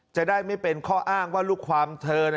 จะได้ไม่เป็นข้ออ้างว่าลูกความเธอ